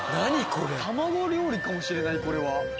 たまご料理かもしれないこれは。